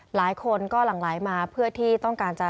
หลายคนก็หลั่งไหลมาเพื่อที่ต้องการจะ